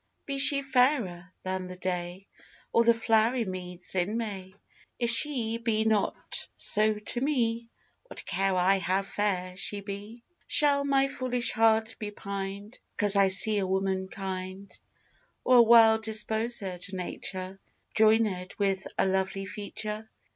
Be she fairer than the day, Or the flowery meads in May, If she be not so to me, What care I how fair she be? Shall my foolish heart be pined 'Cause I see a woman kind; Or a well disposèd nature Joinèd with a lovely feature?